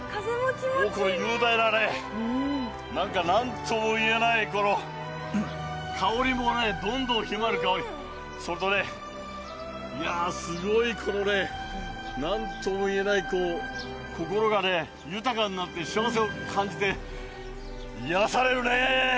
雄大なね、なんともいえない香りもね、どんどんひまわりの香り、いやー、すごい、このね、なんともいえない心がね、豊かになって幸せを感じて癒やされるね。